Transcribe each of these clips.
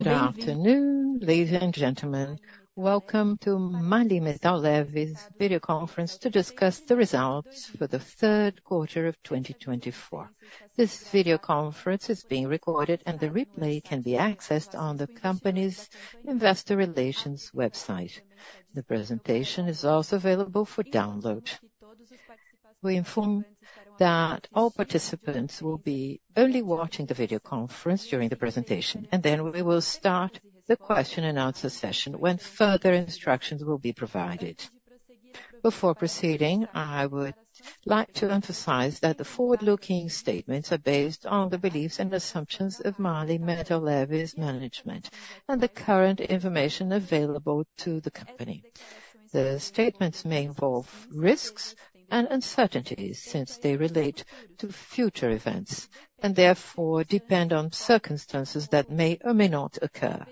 Good afternoon, ladies and gentlemen. Welcome to MAHLE Metal Leve's video conference to discuss the results for the third quarter of 2024. This video conference is being recorded, and the replay can be accessed on the company's investor relations website. The presentation is also available for download. We inform that all participants will be only watching the video conference during the presentation, and then we will start the question-and-answer session when further instructions will be provided. Before proceeding, I would like to emphasize that the forward-looking statements are based on the beliefs and assumptions of MAHLE Metal Leve's management and the current information available to the company. The statements may involve risks and uncertainties since they relate to future events and therefore depend on circumstances that may or may not occur.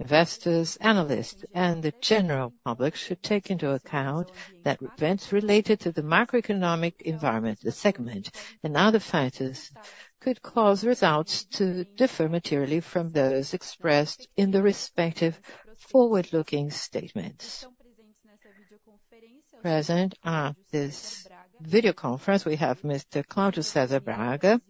Investors, analysts, and the general public should take into account that events related to the macroeconomic environment, the segment, and other factors could cause results to differ materially from those expressed in the respective forward-looking statements. Present at this video conference, we have Mr. Cláudio César Braga,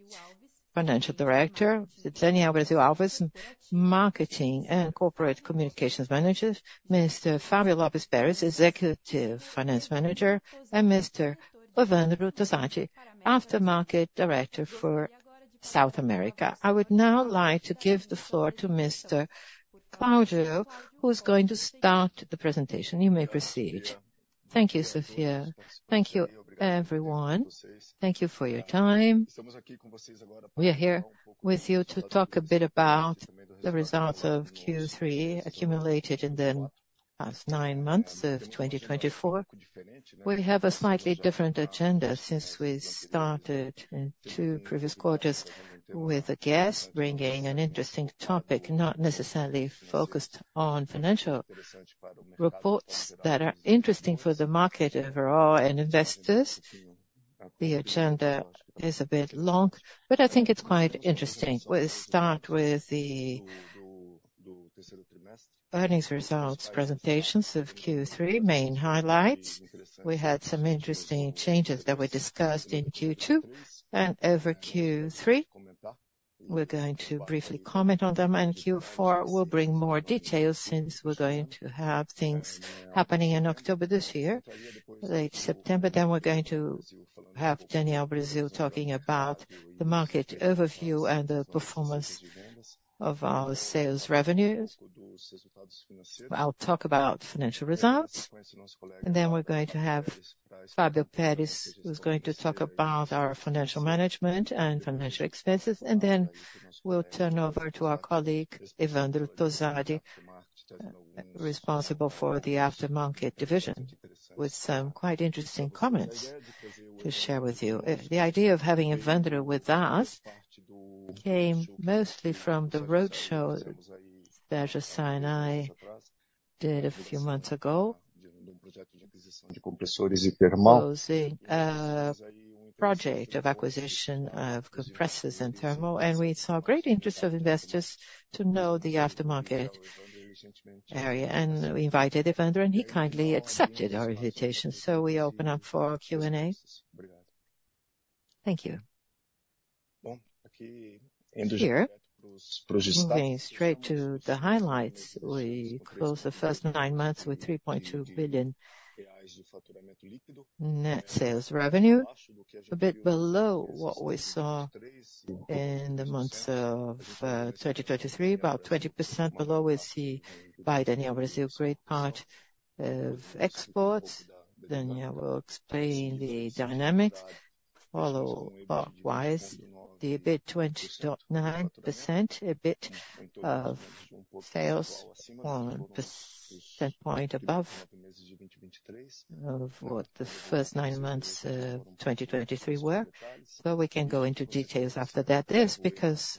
Financial Director, Daniel Alves, Marketing and Corporate Communications Manager, Mr. Fábio Lopes Peres, Executive Finance Manager, and Mr. Evandro Tozatti, Aftermarket Director for South America. I would now like to give the floor to Mr. Cláudio, who is going to start the presentation. You may proceed. Thank you, Sophia. Thank you, everyone. Thank you for your time. We are here with you to talk a bit about the results of Q3 accumulated in the past nine months of 2024. We have a slightly different agenda since we started in two previous quarters with a guest bringing an interesting topic, not necessarily focused on financial reports that are interesting for the market overall and investors. The agenda is a bit long, but I think it's quite interesting. We start with the earnings results presentations of Q3, main highlights. We had some interesting changes that were discussed in Q2 and over Q3. We're going to briefly comment on them, and Q4 will bring more details since we're going to have things happening in October this year, late September. Then we're going to have Daniel Alves talking about the market overview and the performance of our sales revenues. I'll talk about financial results, and then we're going to have Fábio Peres, who's going to talk about our financial management and financial expenses, and then we'll turn over to our colleague Evandro Tozatti, responsible for the aftermarket division, with some quite interesting comments to share with you. The idea of having Evandro with us came mostly from the roadshow that Sinai did a few months ago, the project of acquisition of compressors and thermal, and we saw great interest of investors to know the aftermarket area, and we invited Evandro, and he kindly accepted our invitation, so we open up for Q&A. Thank you. Here, moving straight to the highlights, we close the first nine months with 3.2 billion net sales revenue, a bit below what we saw in the months of 2023, about 20% below. We see by Daniel Alves a great part of exports. Daniel will explain the dynamics. Follow up wise, the EBITDA 20.9%, a bit of sales on a percentage point above what the first nine months of 2023 were. But we can go into details after that. This is because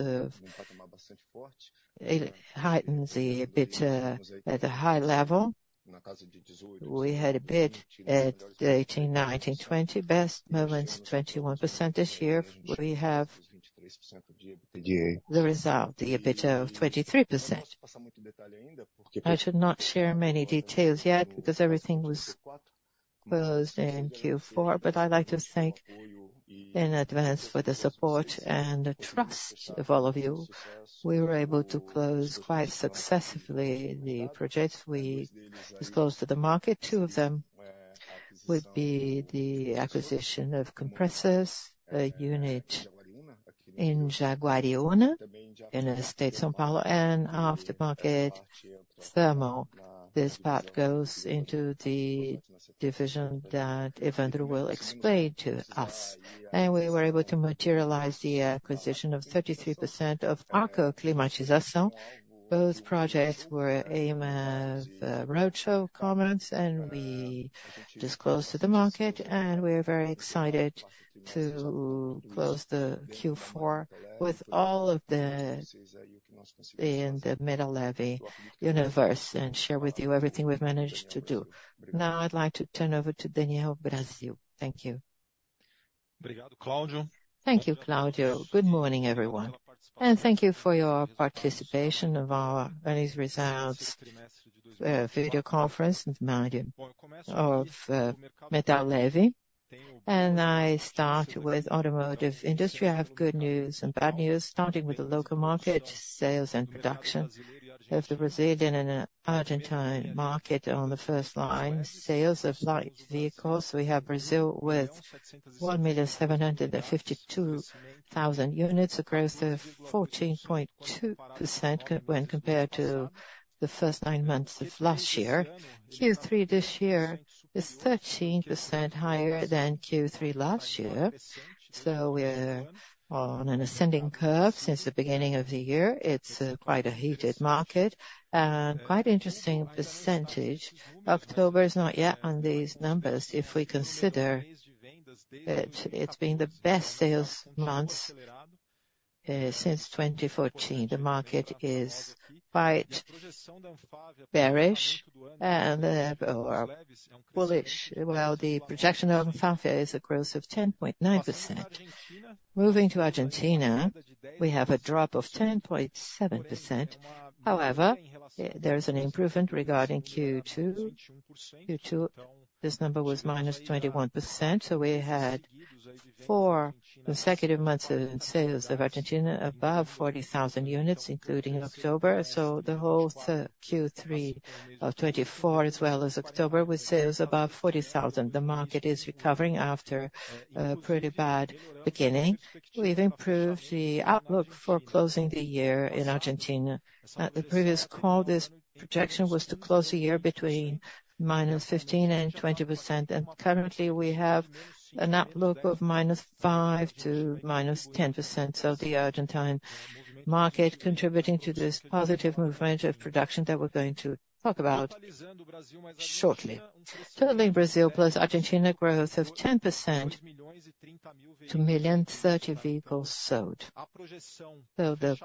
it highlights a bit at a high level. We had an EBITDA at 18%, 19%, 20%, best moments, 21% this year. We have the result, the EBITDA of 23%. I should not share many details yet because everything was closed in Q4, but I'd like to thank in advance for the support and the trust of all of you. We were able to close quite successfully the projects we disclosed to the market. Two of them would be the acquisition of compressors, a unit in Jaguariúna, in the state of São Paulo, and thermal aftermarket. This part goes into the division that Evandro will explain to us. We were able to materialize the acquisition of 33% of Arco Climatização. Those projects were aimed at roadshow comments, and we disclosed to the market, and we are very excited to close the Q4 with all of the in the MAHLE Metal Leve universe and share with you everything we've managed to do. Now I'd like to turn over to Daniel Alves. Thank you. Thank you, Cláudio. Good morning, everyone. Thank you for your participation of our earnings results video conference of MAHLE Metal Leve. I start with automotive industry. I have good news and bad news, starting with the local market, sales and production of the Brazilian and Argentine market on the first line, sales of light vehicles. We have Brazil with 1,752,000 units across the 14.2% when compared to the first nine months of last year. Q3 this year is 13% higher than Q3 last year. We're on an ascending curve since the beginning of the year. It's quite a heated market and quite an interesting percentage. October is not yet on these numbers. If we consider that it's been the best sales months since 2014, the market is quite bearish and bullish, while the projection of Fábio is a growth of 10.9%. Moving to Argentina, we have a drop of -10.7%. However, there is an improvement regarding Q2. Q2, this number was -21%. We had four consecutive months in sales of Argentina above 40,000 units, including October. The whole Q3 of 2024, as well as October, with sales above 40,000, the market is recovering after a pretty bad beginning. We've improved the outlook for closing the year in Argentina. At the previous call, this projection was to close the year between minus 15% and 20%. Currently, we have an outlook of -5% to -10% of the Argentine market, contributing to this positive movement of production that we're going to talk about shortly. Total in Brazil plus Argentina growth of 10% to 3 million vehicles sold. The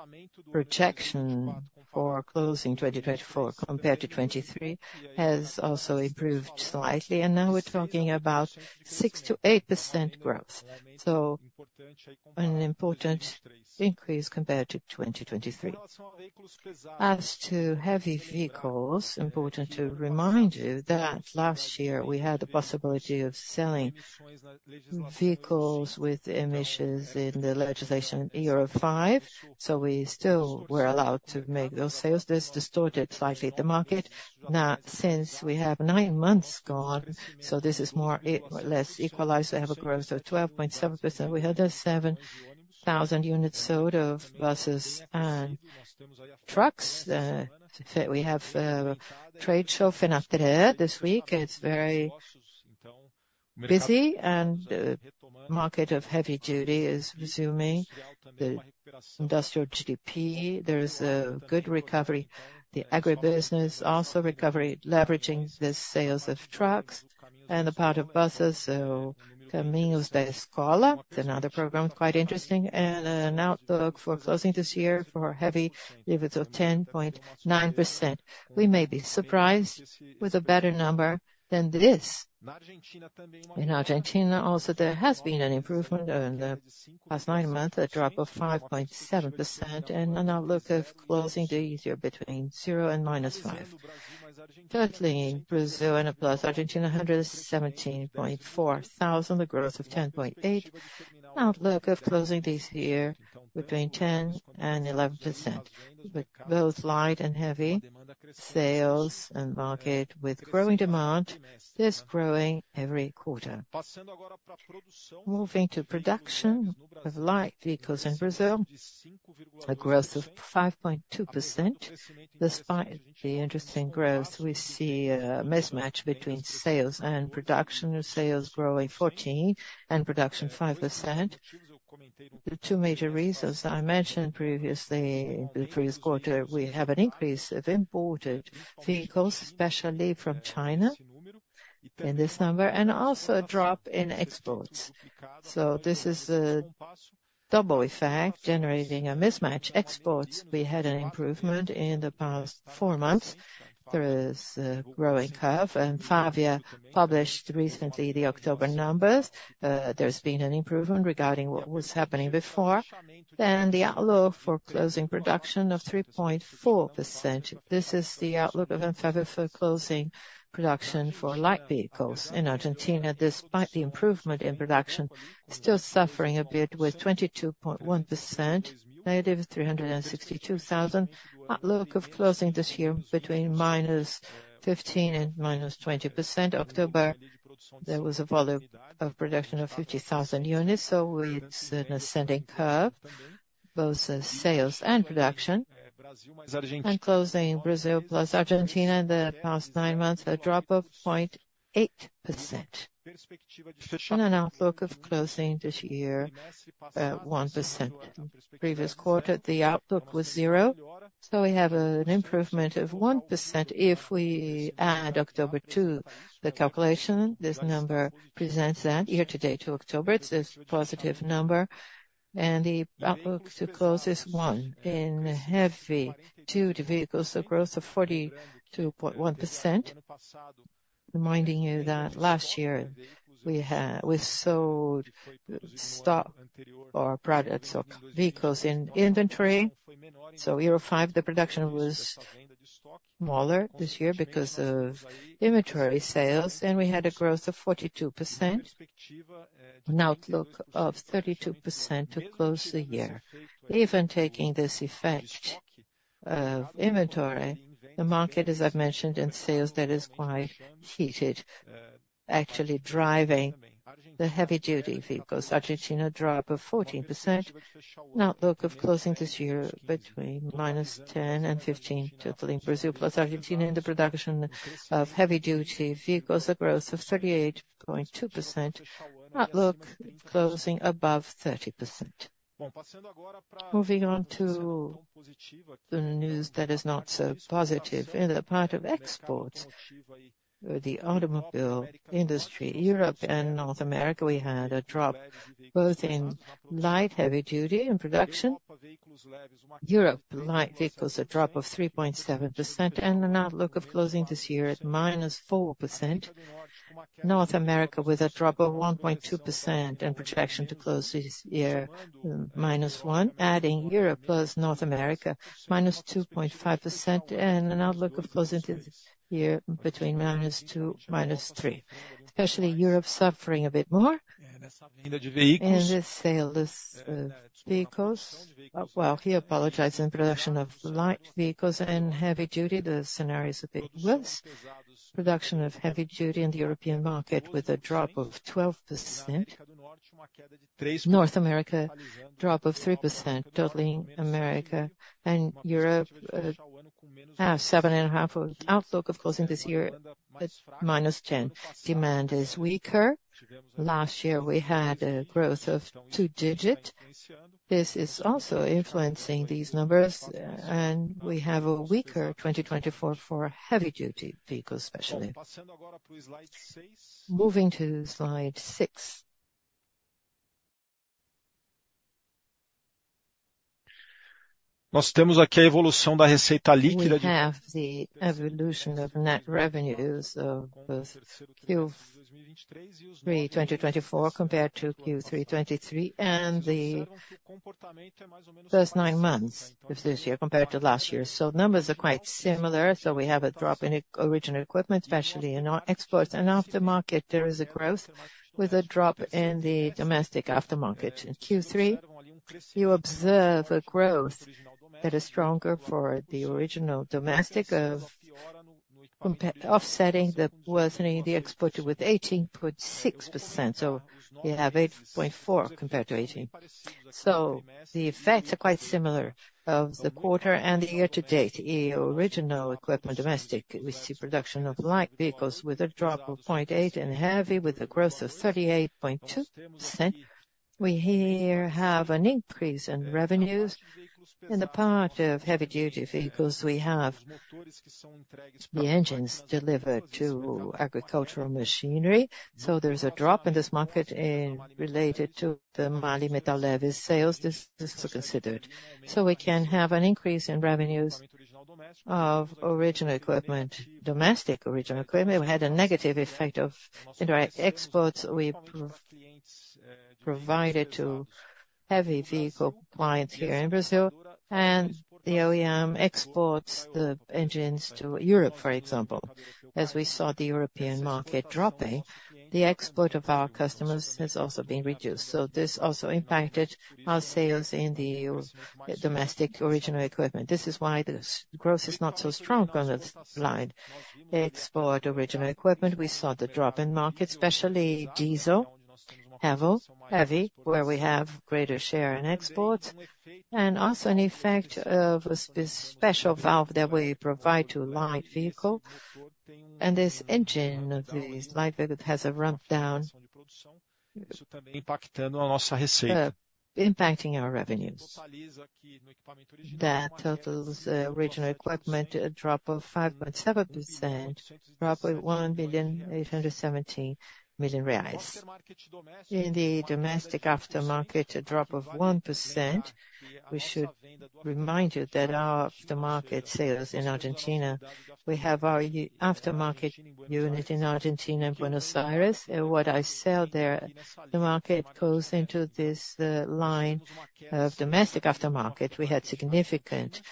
projection for closing 2024 compared to 2023 has also improved slightly, and now we're talking about 6%-8% growth. An important increase compared to 2023. As to heavy vehicles, important to remind you that last year we had the possibility of selling vehicles with emissions in the legislation Euro 5, so we still were allowed to make those sales. This distorted slightly the market. Now, since we have nine months gone, so this is more or less equalized. We have a growth of 12.7%. We had 7,000 units sold of buses and trucks. We have a trade show FENETRE this week. It's very busy, and the market of heavy duty is resuming. The industrial GDP, there is a good recovery. The agribusiness also recovery, leveraging the sales of trucks and the part of buses, so Caminhos da Escola, another program, quite interesting, and an outlook for closing this year for heavy levels of 10.9%. We may be surprised with a better number than this. In Argentina also, there has been an improvement in the past nine months, a drop of 5.7%, and an outlook of closing this year between 0% and -5%. Total in Brazil and plus Argentina, 117.4 thousand, the growth of 10.8%. Outlook of closing this year between 10%-11%, with both light and heavy sales and market with growing demand. This growing every quarter. Moving to production of light vehicles in Brazil, a growth of 5.2%. Despite the interesting growth, we see a mismatch between sales and production, sales growing 14% and production 5%. The two major reasons I mentioned previously, the previous quarter, we have an increase of imported vehicles, especially from China, in this number, and also a drop in exports. So this is a double effect generating a mismatch. Exports, we had an improvement in the past four months. There is a growing curve, and Fábio published recently the October numbers. There's been an improvement regarding what was happening before. Then the outlook for closing production of 3.4%. This is the outlook of Fábio for closing production for light vehicles in Argentina. Despite the improvement in production, still suffering a bit with 22.1%, negative 362,000. Outlook of closing this year between -15% and -20%. October, there was a volume of production of 50,000 units, so it's an ascending curve, both sales and production, and closing Brazil plus Argentina in the past nine months, a drop of 0.8%, and an outlook of closing this year at 1%. Previous quarter, the outlook was zero, so we have an improvement of 1%. If we add October to the calculation, this number presents that year to date to October. It's a positive number, and the outlook to close is one in heavy duty vehicles, a growth of 42.1%. Reminding you that last year we sold stock or products or vehicles in inventory, so year five, the production was smaller this year because of inventory sales, and we had a growth of 42%, an outlook of 32% to close the year. Even taking this effect of inventory, the market, as I've mentioned in sales, that is quite heated, actually driving the heavy duty vehicles. Argentina dropped off 14%. Outlook of closing this year between minus 10% and 15%, total in Brazil plus Argentina in the production of heavy duty vehicles, a growth of 38.2%. Outlook closing above 30%. Moving on to the news that is not so positive in the part of exports, the automobile industry, Europe and North America, we had a drop both in light heavy duty in production. Europe light vehicles, a drop of 3.7%, and an outlook of closing this year at minus 4%. North America with a drop of 1.2% and projection to close this year minus 1%, adding Europe plus North America, minus 2.5%, and an outlook of closing this year between -2% and -3%, especially Europe suffering a bit more in the sale of vehicles, well, in production of light vehicles and heavy duty. The scenario is a bit worse. Production of heavy duty in the European market with a drop of 12%. North America, drop of 3%, total in America and Europe now 7.5%, outlook of closing this year at -10%. Demand is weaker. Last year, we had a growth of two digits. This is also influencing these numbers, and we have a weaker 2024 for heavy duty vehicles, especially. Moving to slide six. Nós temos aqui a evolução da receita líquida. We have the evolution of net revenues of Q3 2024 compared to Q3 2023 and the first nine months of this year compared to last year. So numbers are quite similar. So we have a drop in original equipment, especially in exports. And aftermarket, there is a growth with a drop in the domestic aftermarket. In Q3, you observe a growth that is stronger for the original domestic of offsetting the worsening of the export with 18.6%. So you have 8.4% compared to 18%. So the effects are quite similar of the quarter and the year to date. The original equipment domestic, we see production of light vehicles with a drop of 0.8% and heavy with a growth of 38.2%. We here have an increase in revenues in the part of heavy duty vehicles. We have the engines delivered to agricultural machinery. So there's a drop in this market related to the MAHLE Metal Leve's sales. This is also considered. So we can have an increase in revenues of original equipment, domestic original equipment. We had a negative effect of indirect exports we provided to heavy vehicle clients here in Brazil. And the OEM exports the engines to Europe, for example. As we saw the European market dropping, the export of our customers has also been reduced. So this also impacted our sales in the domestic original equipment. This is why the growth is not so strong on the slide. Export original equipment, we saw the drop in market, especially diesel, HVO, heavy, where we have a greater share in exports. And also an effect of a special valve that we provide to light vehicles. And this engine, this light vehicle has a rundown. Impactando a nossa receita. Impacting our revenues. That totals original equipment, a drop of 5.7%, drop of 1,817,000 reais. In the domestic aftermarket, a drop of 1%. We should remind you that our aftermarket sales in Argentina. We have our aftermarket unit in Argentina and Buenos Aires. What I said there, the market goes into this line of domestic aftermarket. We had a significant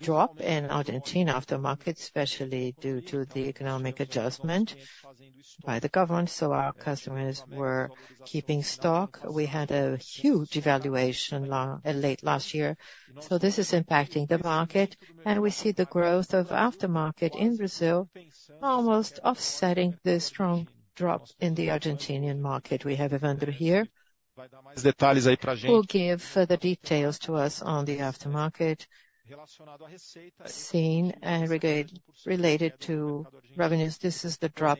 drop in Argentina aftermarket, especially due to the economic adjustment by the government, so our customers were keeping stock. We had a huge devaluation late last year, so this is impacting the market, and we see the growth of aftermarket in Brazil almost offsetting the strong drop in the Argentinian market. We have Evandro here. Os detalhes aí pra gente. Who gave further details to us on the aftermarket segment and related to revenues. This is the drop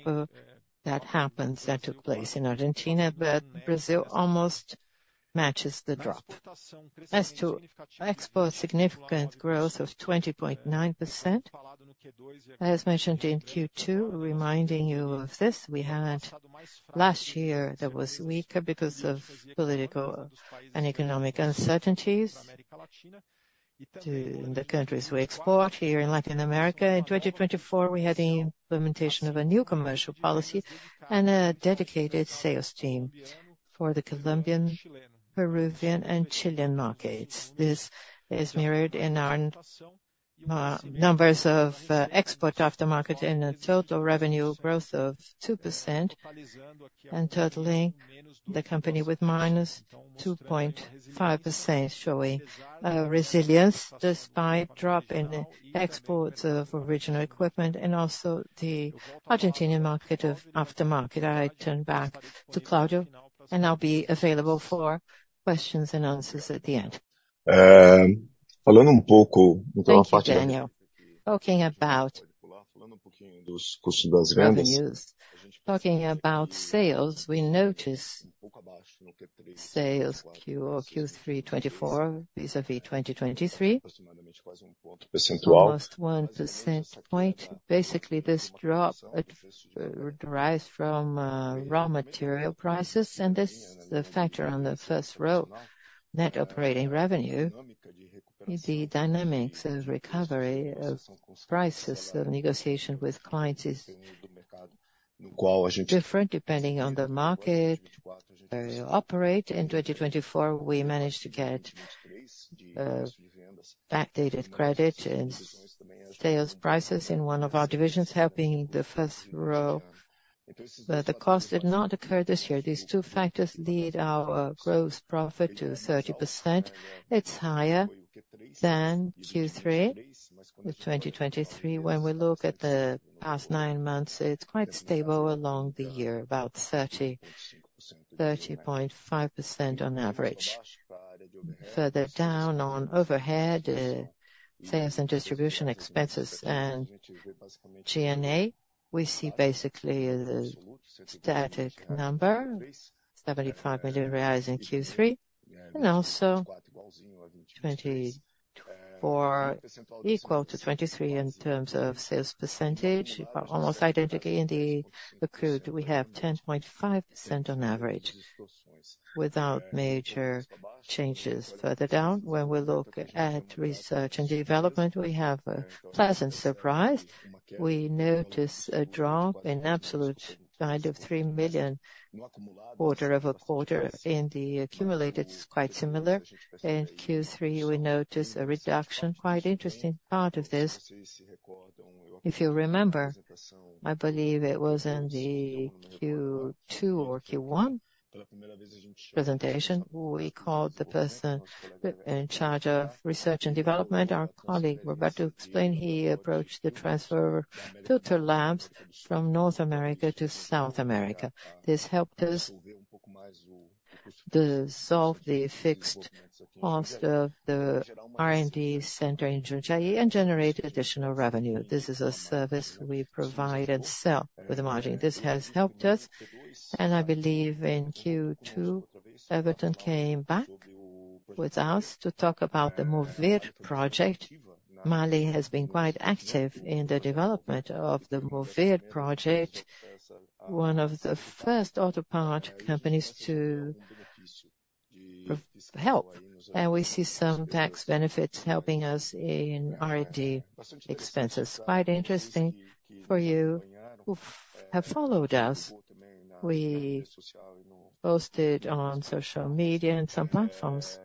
that happened that took place in Argentina, but Brazil almost matches the drop. As to exports, significant growth of 20.9%. As mentioned in Q2, reminding you of this, we had last year that was weaker because of political and economic uncertainties in the countries we export here in Latin America. In 2024, we had the implementation of a new commercial policy and a dedicated sales team for the Colombian, Peruvian, and Chilean markets. This is mirrored in our numbers of export aftermarket and a total revenue growth of 2% and totally the company with -2.5%. Showing resilience despite drop in exports of original equipment and also the Argentinian market of aftermarket. I turn back to Cláudio and I'll be available for questions and answers at the end. Falando pouco do trabalho. Thank you, Daniel. Talking about revenues. Talking about sales, we notice sales Q3 2024 vis-à-vis 2023. Aproximadamente quase 1 percentage point. Almost 1% point. Basically, this drop derives from raw material prices, and this is the factor on the first row, net operating revenue. The dynamics of recovery of prices, the negotiation with clients is different depending on the market they operate. In 2024, we managed to get backdated credit and sales prices in one of our divisions, helping the first row. But the cost did not occur this year. These two factors lead our gross profit to 30%. It's higher than Q3 of 2023. When we look at the past nine months, it's quite stable along the year, about 30.5% on average. Further down on overhead, sales and distribution expenses and GNA, we see basically a static number, 75 million reais in Q3 and also 24 equal to 23 in terms of sales percentage, almost identically in the accrued. We have 10.5% on average without major changes. Further down, when we look at research and development, we have a pleasant surprise. We notice a drop in absolute value of 3 million quarter over quarter in the accumulated. It's quite similar. In Q3, we notice a reduction, quite interesting part of this. If you remember, I believe it was in the Q2 or Q1 presentation, we called the person in charge of research and development, our colleague Roberto, to explain he approached the transfer filter labs from North America to South America. This helped us solve the fixed cost of the R&D center in Jundiaí and generate additional revenue. This is a service we provide and sell with a margin. This has helped us, and I believe in Q2, Everton came back with us to talk about the MOVER project. MAHLE has been quite active in the development of the MOVER project, one of the first auto part companies to help. We see some tax benefits helping us in R&D expenses. Quite interesting for you who have followed us. We posted on social media and some platforms.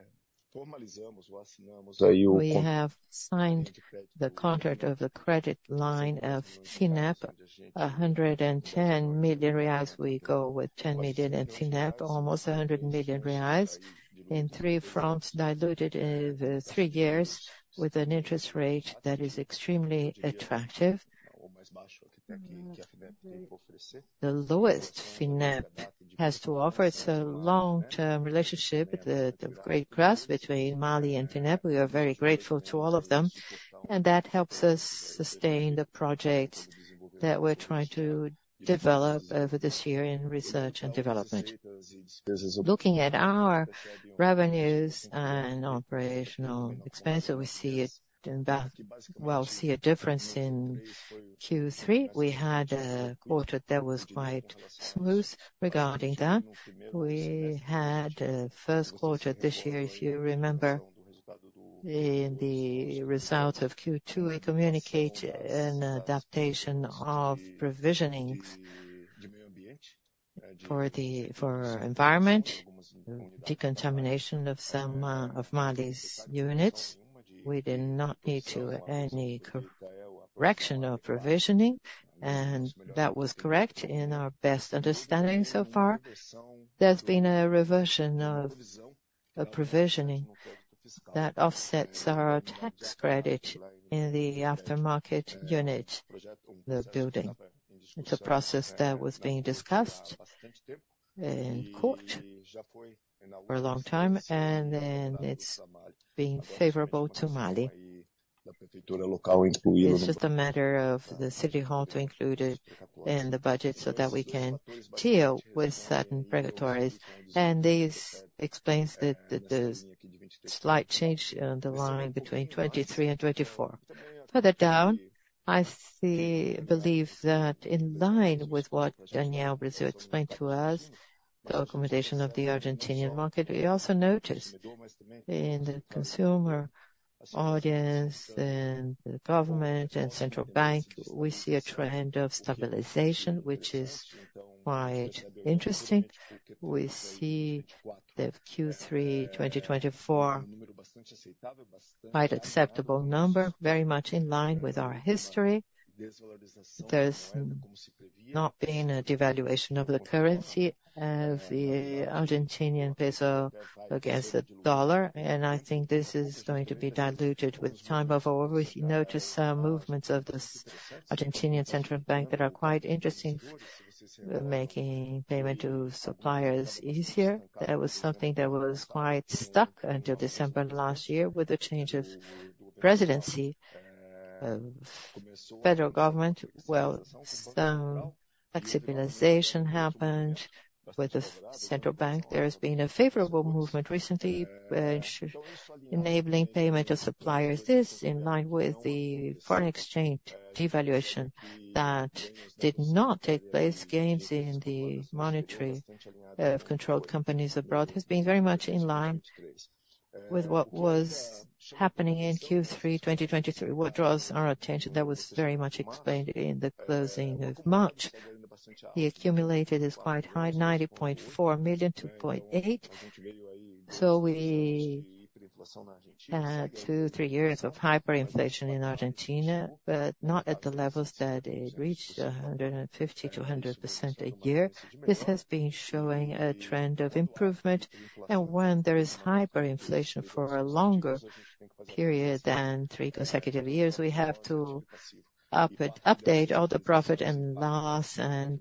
We have signed the contract of the credit line of FINEP, 110 million reais. We go with 10 million in FINEP, almost 100 million reais in three fronts diluted over three years with an interest rate that is extremely attractive. The lowest FINEP has to offer. It's a long-term relationship, the great cross between MAHLE and FINEP. We are very grateful to all of them, and that helps us sustain the projects that we're trying to develop over this year in research and development. Looking at our revenues and operational expenses, we see it in, well, see a difference in Q3. We had a quarter that was quite smooth regarding that. We had a first quarter this year, if you remember, in the results of Q2, we communicated an adaptation of provisionings for the environment, decontamination of some of MAHLE's units. We did not need to do any correction of provisioning, and that was correct in our best understanding so far. There's been a reversion of a provisioning that offsets our tax credit in the aftermarket unit, the building. It's a process that was being discussed in court for a long time, and then it's being favorable to MAHLE. This is a matter of the city hall to include it in the budget so that we can deal with certain regulatories, and this explains the slight change in the line between 23 and 24. Further down, I believe that in line with what Daniel Alves explained to us, the recommendation of the Argentine market, we also notice in the consumer audience and the government and central bank, we see a trend of stabilization, which is quite interesting. We see the Q3 2024, quite acceptable number, very much in line with our history. There's not been a devaluation of the currency of the Argentine peso against the dollar, and I think this is going to be diluted with time. However, we notice some movements of the Argentine central bank that are quite interesting for making payment to suppliers easier. That was something that was quite stuck until December last year with the change of presidency of federal government. Some flexibilization happened with the central bank. There has been a favorable movement recently enabling payment of suppliers. This is in line with the foreign exchange devaluation that did not take place. Gains in the monetary of controlled companies abroad have been very much in line with what was happening in Q3 2023. What draws our attention. That was very much explained in the closing of March. The accumulated is quite high, 90.4 million to 0.8. So we had two, three years of hyperinflation in Argentina, but not at the levels that it reached, 150%-100% a year. This has been showing a trend of improvement. When there is hyperinflation for a longer period than three consecutive years, we have to update all the profit and loss and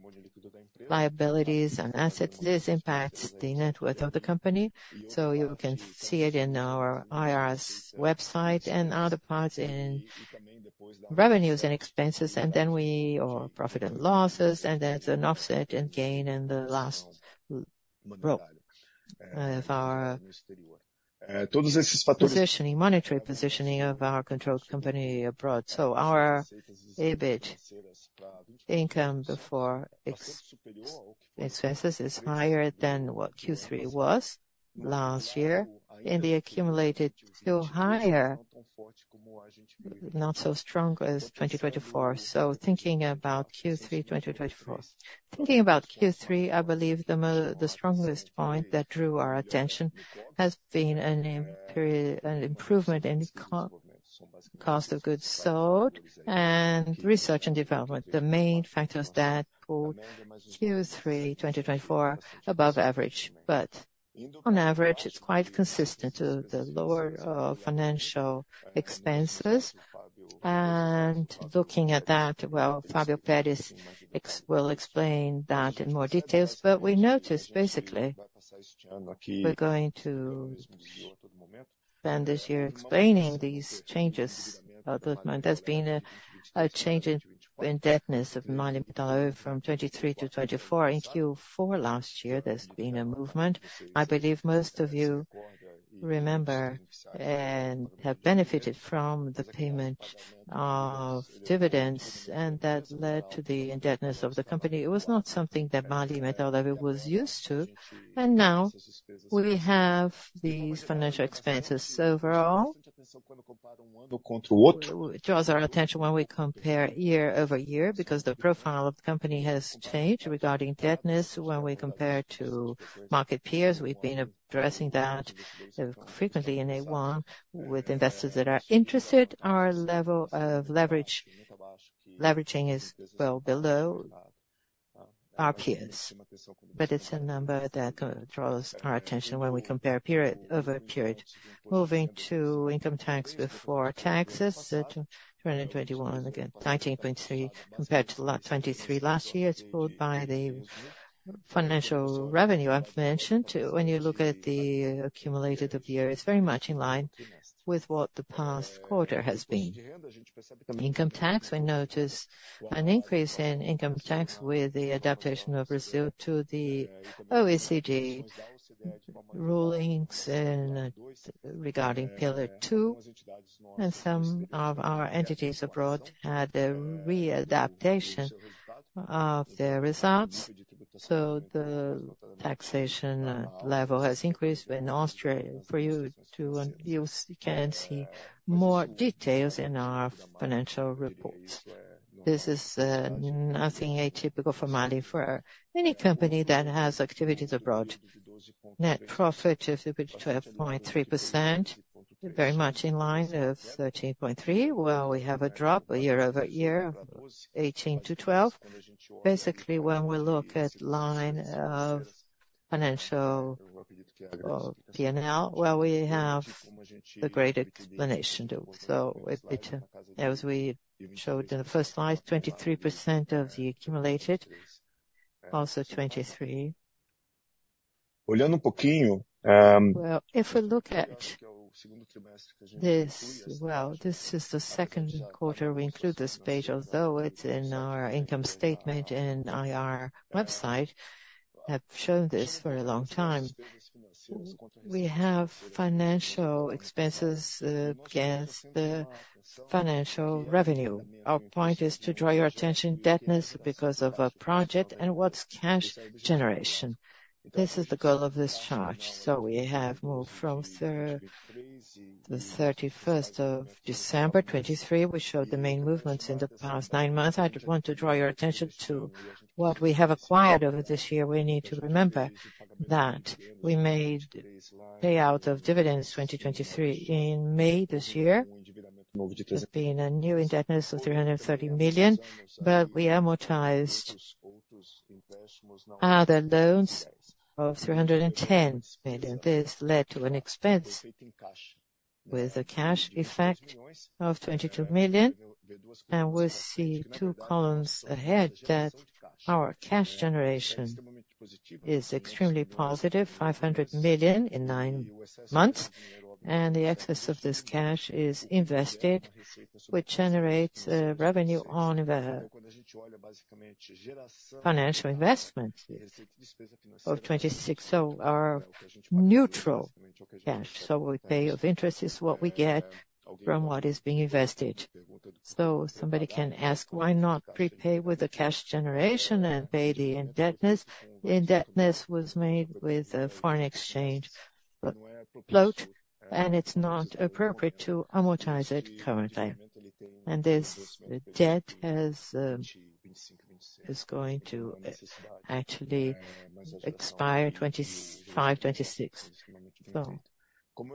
liabilities and assets. This impacts the net worth of the company. You can see it in our IR's website and other parts in revenues and expenses, and then our profit and losses, and there's an offset and gain in the last row of our position, monetary position of our controlled company abroad. Our EBIT income before expenses is higher than what Q3 was last year in the accumulated, still higher, not so strong as 2024. Thinking about Q3 2024, thinking about Q3, I believe the strongest point that drew our attention has been an improvement in the cost of goods sold and research and development, the main factors that put Q3 2024 above average. On average, it's quite consistent with the lower financial expenses. And looking at that, well, Fábio Peres will explain that in more detail. We notice basically we're going to spend this year explaining these changes. There's been a change in indebtedness of MAHLE from 2023 to 2024. In Q4 last year, there's been a movement. I believe most of you remember and have benefited from the payment of dividends, and that led to the indebtedness of the company. It was not something that MAHLE was used to. And now we have these financial expenses overall. It draws our attention when we compare year over year because the profile of the company has changed regarding indebtedness. When we compare to market peers, we've been addressing that frequently in IR with investors that are interested. Our level of leveraging is well below our peers, but it's a number that draws our attention when we compare period over period. Moving to income tax before taxes, 2021, again, 19.3% compared to 23% last year. It's pulled by the financial revenue I've mentioned. When you look at the accumulated of the year, it's very much in line with what the past quarter has been. Income tax, we notice an increase in income tax with the adaptation of Brazil to the OECD rulings regarding Pillar Two. Some of our entities abroad had a readaptation of their results. The taxation level has increased in Austria. For you to use, you can see more details in our financial reports. This is nothing atypical for MAHLE for any company that has activities abroad. Net profit of 12.3%, very much in line of 13.3%. Well, we have a drop year over year of 18%-12%. Basically, when we look at the line of financial or P&L, well, we have a great explanation too. So it, as we showed in the first slide, 23% of the accumulated, also 23%. Olhando pouquinho. Well, if we look at this, well, this is the second quarter. We include this page, although it's in our income statement and IR website. I've shown this for a long time. We have financial expenses against the financial revenue. Our point is to draw your attention to net debt because of a project and cash generation. This is the goal of this chart. So we have moved from the 31st of December 2023, which showed the main movements in the past nine months. I want to draw your attention to what we have acquired over this year. We need to remember that we made payout of dividends 2023 in May this year. There's been a new indebtedness of 330 million, but we amortized other loans of 310 million. This led to an expense with a cash effect of 22 million. And we see two columns ahead that our cash generation is extremely positive, 500 million in nine months. And the excess of this cash is invested, which generates revenue on the financial investment of 26. So our neutral cash, so we pay of interest is what we get from what is being invested. So somebody can ask, why not prepay with the cash generation and pay the indebtedness? Indebtedness was made with a foreign exchange float, and it's not appropriate to amortize it currently. And this debt is going to actually expire 2025-2026. So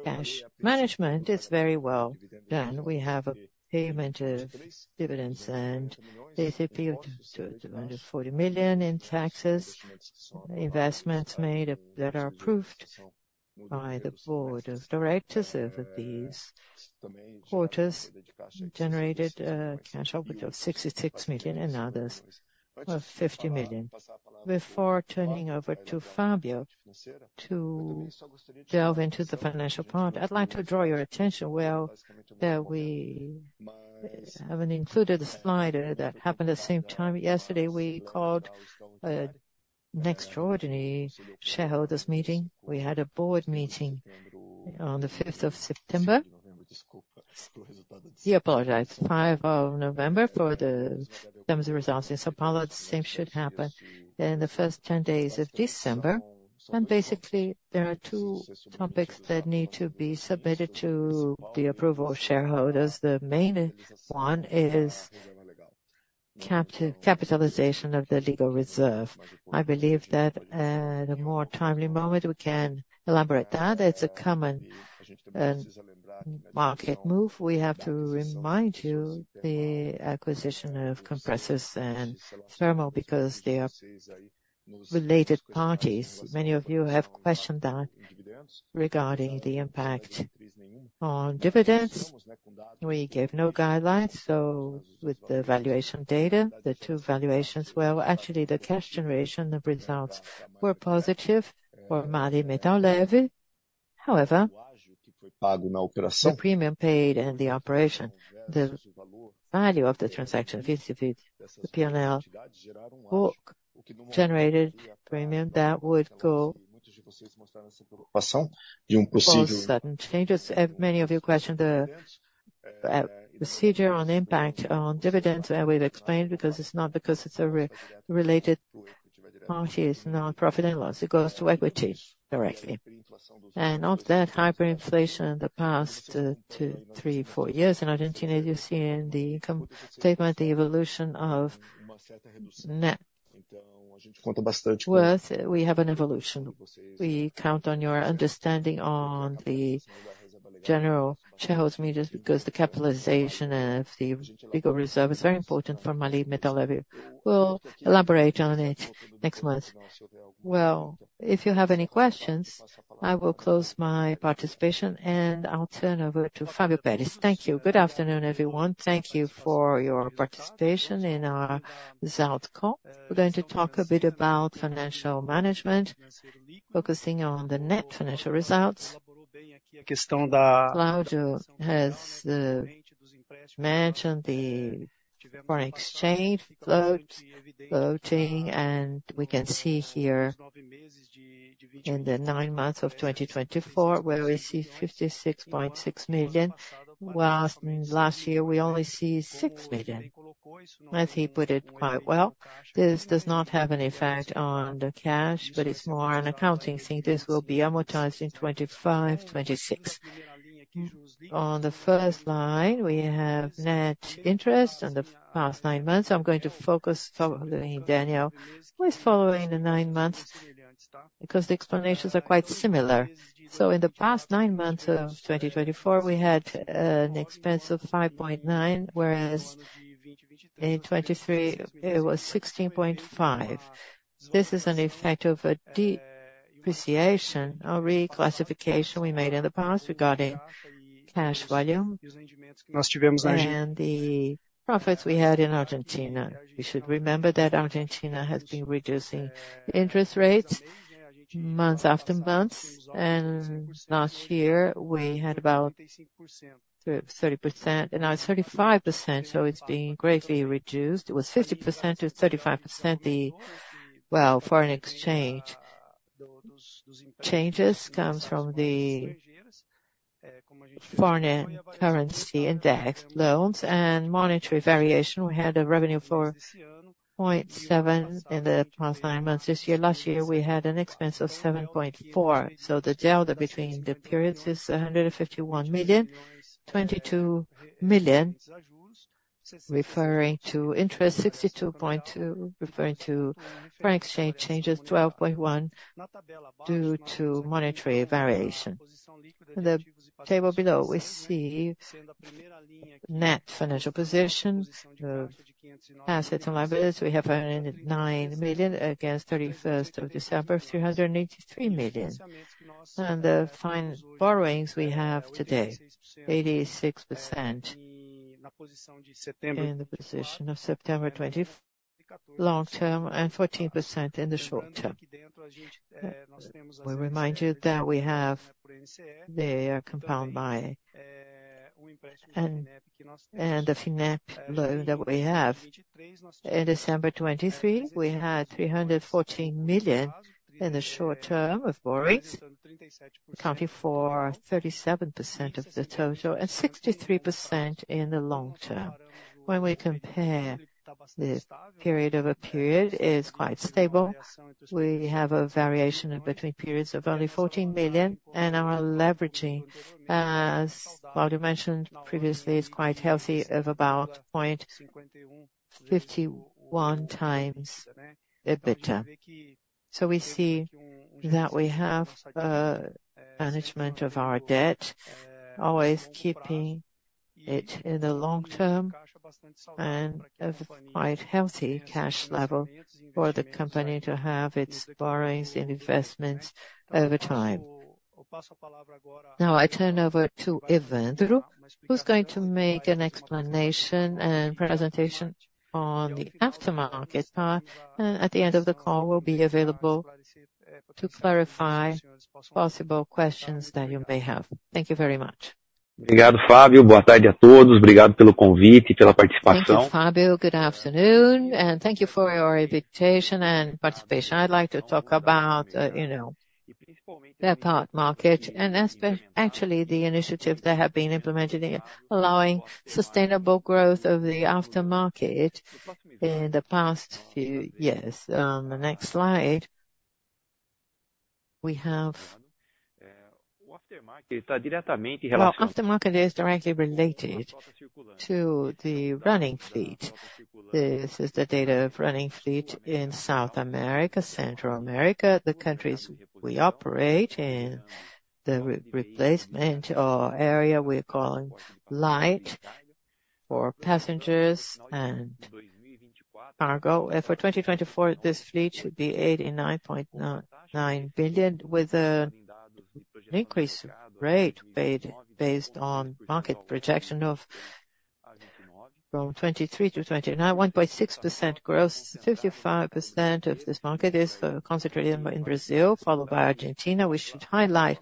cash management is very well done. We have a payment of dividends and they appealed to the 40 million in taxes. Investments made that are approved by the board of directors over these quarters generated a cash output of 66 million and others of 50 million. Before turning over to Fábio to delve into the financial part, I'd like to draw your attention, well, that we haven't included a slide that happened at the same time. Yesterday, we called an extraordinary shareholders meeting. We had a board meeting on the 5th of September. We apologize. 5th of November for the terms of results. It's apologies. The same should happen in the first 10 days of December, and basically, there are two topics that need to be submitted to the approval of shareholders. The main one is capitalization of the legal reserve. I believe that at a more timely moment, we can elaborate that. It's a common market move. We have to remind you the acquisition of Compressors and Thermo because they are related parties. Many of you have questioned that regarding the impact on dividends. We gave no guidelines, so with the valuation data, the two valuations, well, actually the cash generation and the results were positive for MAHLE Metal Leve. However, the premium paid and the operation, the value of the transaction, the P&L book generated premium that would go of sudden changes. Many of you questioned the procedure on impact on dividends, and we've explained because it's not because it's a related party, it's not profit and loss. It goes to equity directly. And of that hyperinflation in the past two, three, four years in Argentina, you see in the income statement the evolution of net worth. We have an evolution. We count on your understanding on the general shareholders meetings because the capitalization of the Legal Reserve is very important for MAHLE Metal Leve. We'll elaborate on it next month. If you have any questions, I will close my participation, and I'll turn over to Fábio Peres. Thank you. Good afternoon, everyone. Thank you for your participation in our result call. We're going to talk a bit about financial management, focusing on the net financial results. Cláudio has mentioned the foreign exchange floating, and we can see here in the nine months of 2024, where we see 56.6 million, while last year we only see 6 million. As he put it quite well, this does not have an effect on the cash, but it's more an accounting thing. This will be amortized in 2025, 2026. On the first line, we have net interest on the past nine months. I'm going to focus on Daniel, who is following the nine months because the explanations are quite similar. In the past nine months of 2024, we had an expense of 5.9, whereas in 2023, it was 16.5. This is an effect of a depreciation or reclassification we made in the past regarding cash volume and the profits we had in Argentina. We should remember that Argentina has been reducing interest rates month after month, and last year, we had about 30%, and now it's 35%. So it's being greatly reduced. It was 50% to 35%, the, well, foreign exchange changes come from the foreign currency index, loans, and monetary variation. We had a revenue for 0.7 in the past nine months this year. Last year, we had an expense of 7.4. The delta between the periods is 151 million, 22 million referring to interest, 62.2 million referring to foreign exchange changes, 12.1 million due to monetary variation. In the table below, we see net financial position, the assets and liabilities. We have 109 million against 31st of December, 383 million. And the financing borrowings we have today, 86% in the position of September 2024, long term, and 14% in the short term. We remind you that we have the convertible bond and the finance loan that we have in December 2023. We had 314 million in the short term of borrowings, accounting for 37% of the total and 63% in the long term. When we compare the period over period, it's quite stable. We have a variation between periods of only 14 million, and our leveraging, as Cláudio mentioned previously, is quite healthy of about 0.51 times EBITDA. So we see that we have a management of our debt, always keeping it in the long term and a quite healthy cash level for the company to have its borrowings and investments over time. Now, I turn over to Evandro, who's going to make an explanation and presentation on the aftermarket part. And at the end of the call, we'll be available to clarify possible questions that you may have. Thank you very much. Obrigado, Fábio. Boa tarde a todos. Obrigado pelo convite e pela participação. Thank you, Fábio. Good afternoon. And thank you for your invitation and participation. I'd like to talk about the aftermarket and actually the initiatives that have been implemented in allowing sustainable growth of the aftermarket in the past few years. On the next slide, we have the aftermarket is directly related to the running fleet. This is the data of the running fleet in South America, Central America, the countries we operate in, the replacement market area we're calling light for passengers and cargo. For 2024, this fleet should be 89.9 million with an increase rate based on market projection of from 2023 to 2029, 1.6% growth. 55% of this market is concentrated in Brazil, followed by Argentina. We should highlight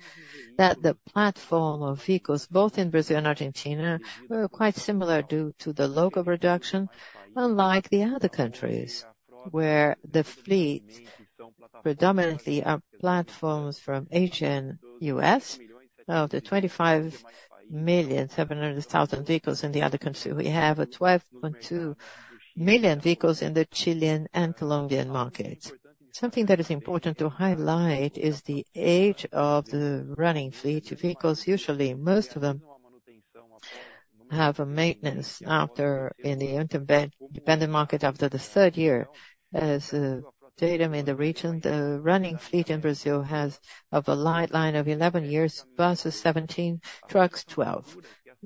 that the platform of vehicles both in Brazil and Argentina are quite similar due to the local production, unlike the other countries where the fleet predominantly are platforms from the U.S. Of the 25.7 million vehicles in the other countries, we have 12.2 million vehicles in the Chilean and Colombian markets. Something that is important to highlight is the age of the running fleet vehicles. Usually, most of them have maintenance in the aftermarket after the third year. As data in the region, the running fleet in Brazil has a light line of 11 years, buses 17, trucks 12.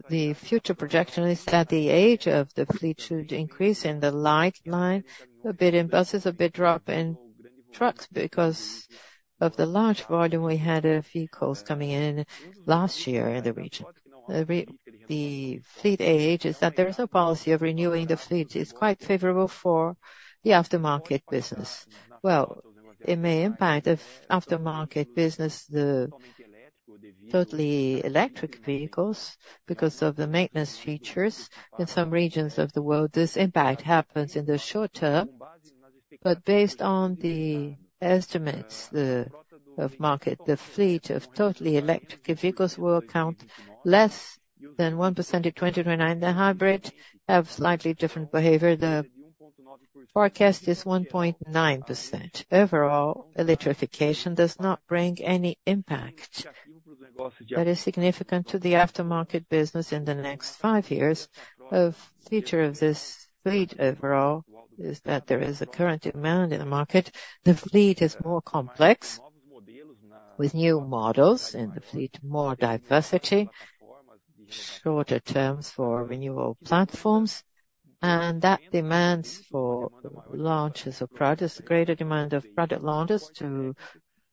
The future projection is that the age of the fleet should increase in the light line, a bit in buses, a bit drop in trucks because of the large volume we had of vehicles coming in last year in the region. The fleet age is that there is a policy of renewing the fleet. It's quite favorable for the aftermarket business. It may impact the aftermarket business, the totally electric vehicles because of the maintenance features. In some regions of the world, this impact happens in the short term. But based on the estimates of market, the fleet of totally electric vehicles will account for less than 1% by 2029. The hybrids have slightly different behavior. The forecast is 1.9%. Overall, electrification does not bring any impact that is significant to the aftermarket business in the next five years. The feature of this fleet overall is that there is a current demand in the market. The fleet is more complex with new models in the fleet, more diversity, shorter terms for renewal platforms, and that demands for launches of products, greater demand of product launches to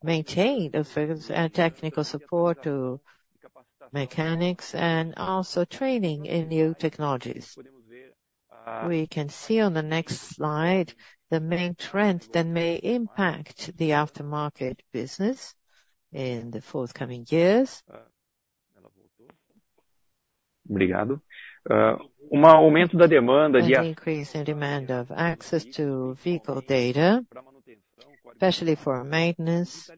maintain the technical support to mechanics and also training in new technologies. We can see on the next slide the main trend that may impact the aftermarket business in the forthcoming years. Obrigado. There's an increase in demand of access to vehicle data, especially for maintenance,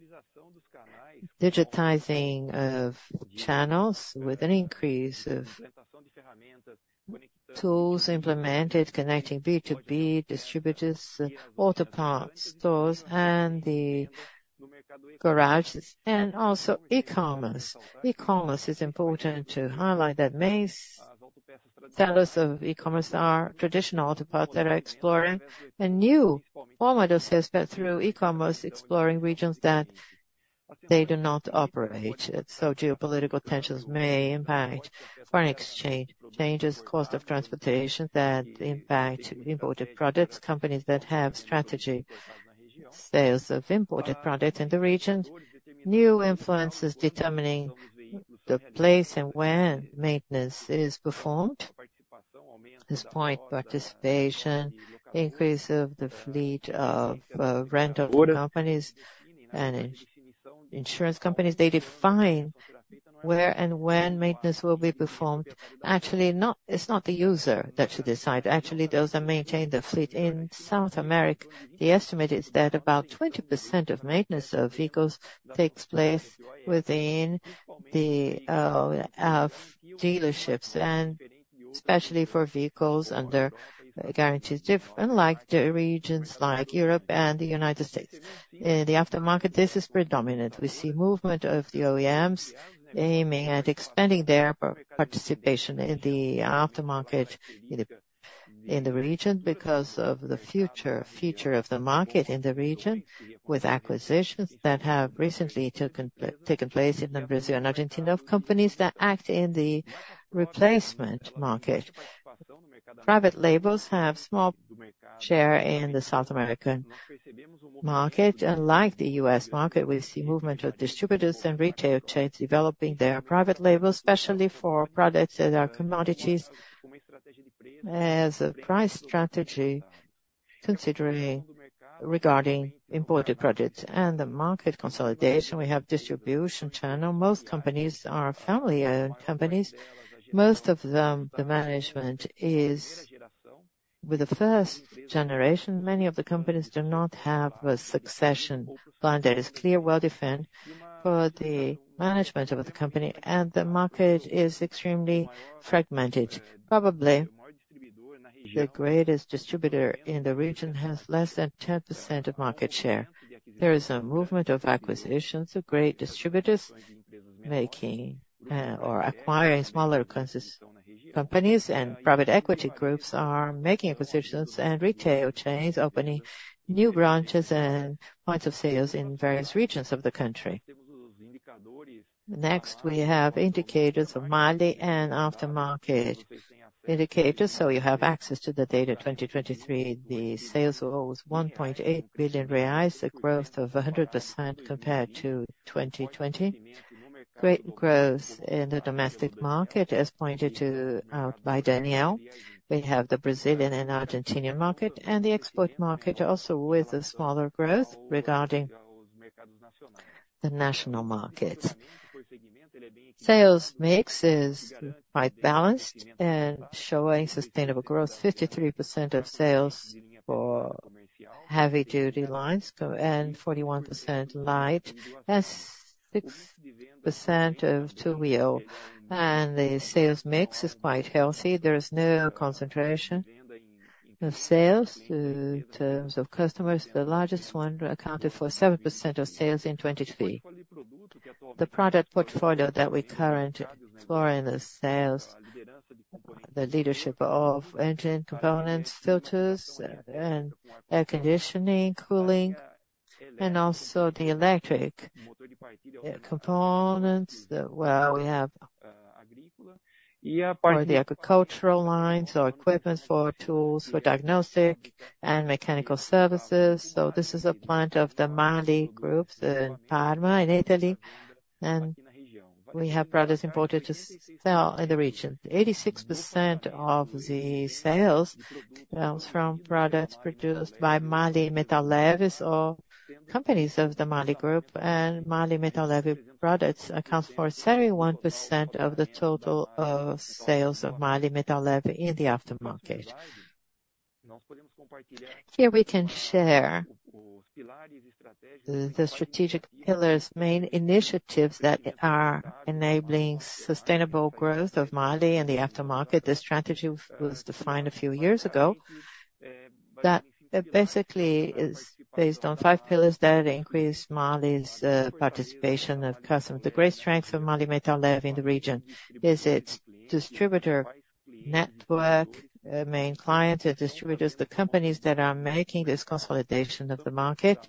digitizing of channels with an increase of tools implemented, connecting B2B distributors, auto parts, stores, and the garages, and also e-commerce. E-commerce is important to highlight that many sellers of e-commerce are traditional auto parts that are exploring a new form of. Has been through e-commerce, exploring regions that they do not operate. So geopolitical tensions may impact foreign exchange changes, cost of transportation that impact imported products, companies that have strategic sales of imported products in the region. New influences determining the place and when maintenance is performed. This point, participation, increase of the fleet of rental companies and insurance companies, they define where and when maintenance will be performed. Actually, it's not the user that should decide. Actually, those that maintain the fleet in South America. The estimate is that about 20% of maintenance of vehicles takes place within the dealerships, and especially for vehicles under guarantees, unlike regions like Europe and the United States. In the aftermarket, this is predominant. We see movement of the OEMs aiming at expanding their participation in the aftermarket in the region because of the future feature of the market in the region with acquisitions that have recently taken place in Brazil and Argentina of companies that act in the replacement market. Private labels have a small share in the South American market. Unlike the U.S. market, we see movement of distributors and retail trades developing their private labels, especially for products that are commodities as a price strategy regarding imported products and the market consolidation. We have distribution channel. Most companies are family-owned companies. Most of them, the management is with the first generation. Many of the companies do not have a succession plan that is clear, well-defined for the management of the company, and the market is extremely fragmented. Probably the greatest distributor in the region has less than 10% of market share. There is a movement of acquisitions. The great distributors are acquiring smaller companies, and private equity groups are making acquisitions and retail chains opening new branches and points of sales in various regions of the country. Next, we have indicators of MAHLE and aftermarket indicators. So you have access to the data. In 2023, the sales were 1.8 billion reais, a growth of 100% compared to 2020. Great growth in the domestic market, as pointed out by Daniel. We have the Brazilian and Argentinian market and the export market, also with a smaller growth regarding the national markets. Sales mix is quite balanced and showing sustainable growth. 53% of sales for heavy-duty lines and 41% light, as 6% of two-wheel. And the sales mix is quite healthy. There is no concentration of sales in terms of customers. The largest one accounted for 7% of sales in 2023. The product portfolio that we currently explore in the sales, the leadership of engine components, filters, and air conditioning, cooling, and also the electric components, where we have for the agricultural lines or equipment for tools, for diagnostic and mechanical services. This is a plant of the MAHLE Group in Parma, Italy. We have products imported to sell in the region. 86% of the sales comes from products produced by MAHLE Metal Leve or companies of the MAHLE Group. MAHLE Metal Leve products account for 71% of the total sales of MAHLE Metal Leve in the aftermarket. Here we can share the strategic pillars, main initiatives that are enabling sustainable growth of MAHLE in the aftermarket. The strategy was defined a few years ago that basically is based on five pillars that increase MAHLE's participation of customers. The great strength of MAHLE Metal Leve's in the region is its distributor network. The main clients and distributors, the companies that are making this consolidation of the market,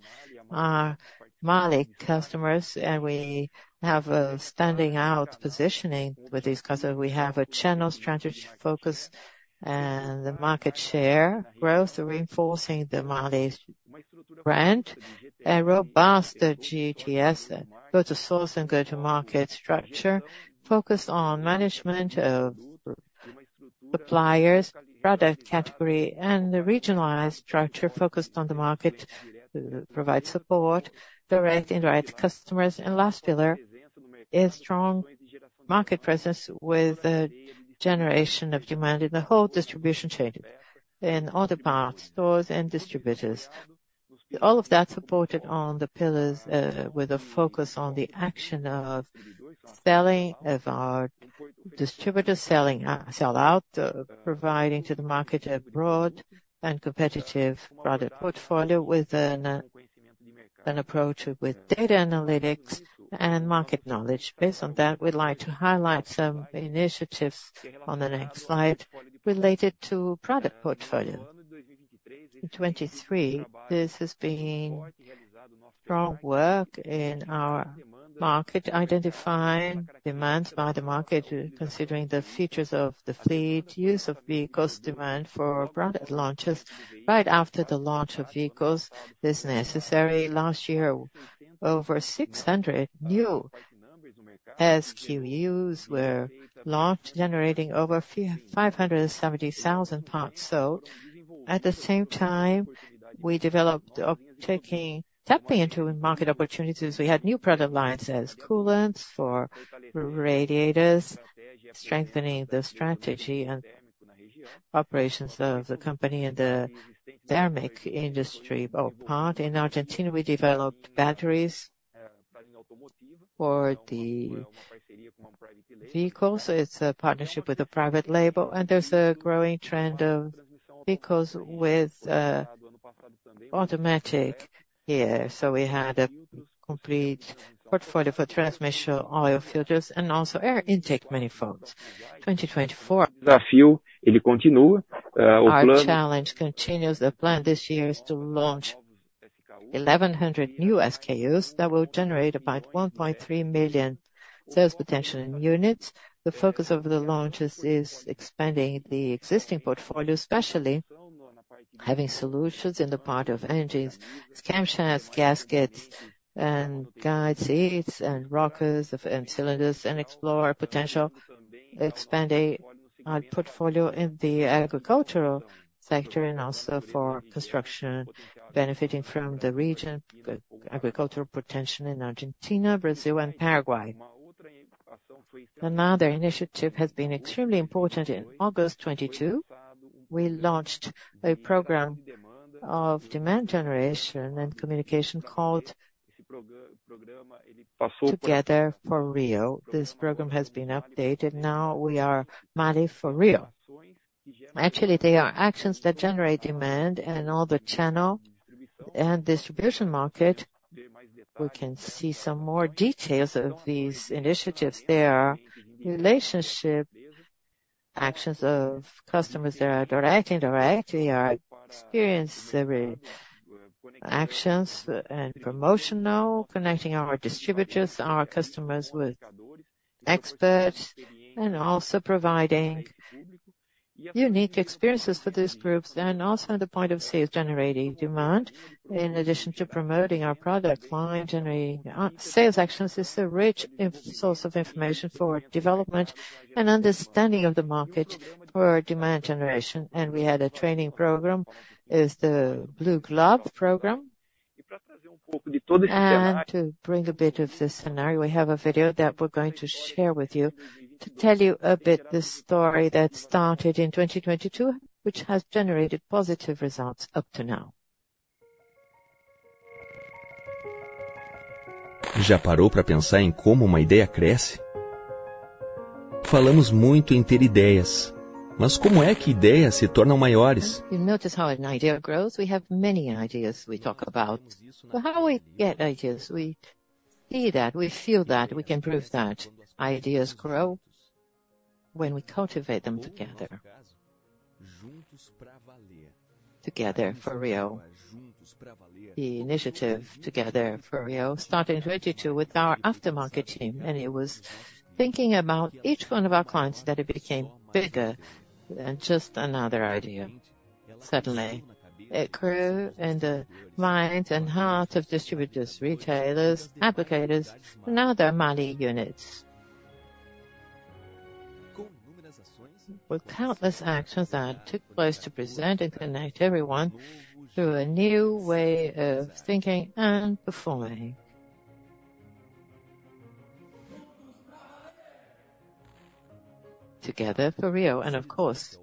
are MAHLE customers, and we have a standing-out positioning with these customers. We have a channel strategy focus and the market share growth, reinforcing the MAHLE brand, a robust GTS, go to source and go to market structure focused on management of suppliers, product category, and the regionalized structure focused on the market to provide support, direct, indirect customers, and last pillar is strong market presence with a generation of demand in the whole distribution chain in auto parts, stores, and distributors. All of that supported on the pillars with a focus on the action of selling of our distributors, selling sell-out, providing to the market a broad and competitive product portfolio with an approach with data analytics and market knowledge. Based on that, we'd like to highlight some initiatives on the next slide related to product portfolio. In 2023, this has been strong work in our market, identifying demands by the market, considering the features of the fleet. Use of vehicles demand for product launches right after the launch of vehicles is necessary. Last year, over 600 new SKUs were launched, generating over 570,000 parts sold. At the same time, we developed tapping into market opportunities. We had new product lines as coolants for radiators, strengthening the strategy and operations of the company in the thermal industry of parts. In Argentina, we developed batteries for the vehicles. It's a partnership with a private label. And there's a growing trend of vehicles with automatic gear. So we had a complete portfolio for transmission oil filters and also air intake manifolds. 2024. Desafio, ele continua. Our challenge continues. The plan this year is to launch 1,100 new SKUs that will generate about 1.3 million sales potential units. The focus of the launches is expanding the existing portfolio, especially having solutions in the part of engines, camshafts, gaskets, and guide seats, and rockers and cylinders, and explore potential, expanding our portfolio in the agricultural sector and also for construction, benefiting from the region's agricultural potential in Argentina, Brazil, and Paraguay. Another initiative has been extremely important in August 2022. We launched a program of demand generation and communication called Together for Rio. This program has been updated. Now we are MAHLE for Rio. Actually, they are actions that generate demand in all the channel and distribution market. We can see some more details of these initiatives. They are relationship actions of customers that are direct, indirect. We are experienced actions and promotional, connecting our distributors, our customers with experts, and also providing unique experiences for these groups. The point of sales generating demand, in addition to promoting our product line, generating sales actions, is a rich source of information for development and understanding of the market for demand generation. We had a training program, is the Blue Glove program. E para trazer um pouco de todo esse cenário. To bring a bit of this scenario, we have a video that we're going to share with you to tell you a bit of the story that started in 2022, which has generated positive results up to now. Já parou para pensar em como uma ideia cresce? Falamos muito em ter ideias, mas como é que ideias se tornam maiores? You notice how an idea grows? We have many ideas we talk about. But how we get ideas? We see that, we feel that, we can prove that ideas grow when we cultivate them together. Together for Rio. The initiative Together for Rio started in 2022 with our aftermarket team, and it was thinking about each one of our clients that it became bigger than just another idea. Suddenly, it grew in the minds and hearts of distributors, retailers, advocates, and other MAHLE units. With countless actions that took place to present and connect everyone through a new way of thinking and performing. Together for Rio. And of course,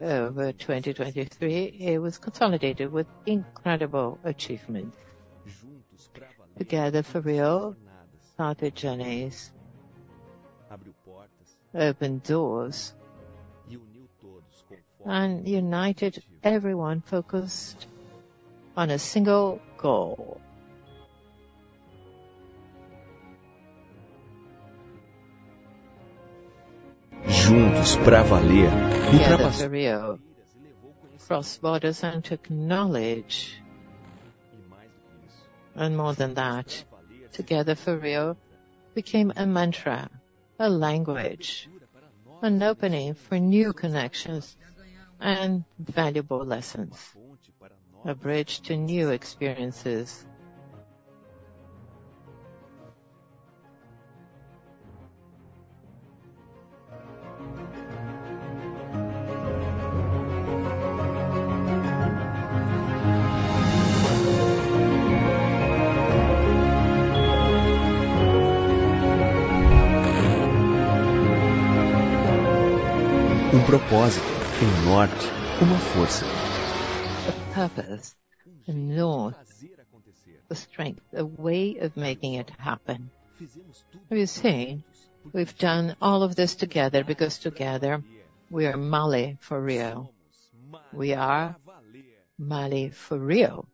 over 2023, it was consolidated with incredible achievements. Together for Rio started journeys, opened doors, and united everyone focused on a single goal. Juntos para valer. Together for Rio crossed borders and took knowledge. And more than that, Together for Rio became a mantra, a language, an opening for new connections and valuable lessons, a bridge to new experiences. Propósito, norte, uma força. A purpose, a north, a strength, a way of making it happen. We've seen, we've done all of this together because together we are MAHLE for Rio. We are MAHLE for Rio.